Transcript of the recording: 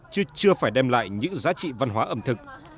chứ chưa phải đem lại những giá trị văn hóa ẩm thực